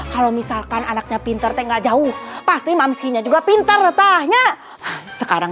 kalau misalkan anaknya pinter teh enggak jauh pasti mamsinya juga pinter letaknya sekarang